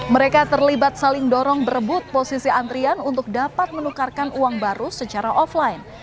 mereka terlibat saling dorong berebut posisi antrian untuk dapat menukarkan uang baru secara offline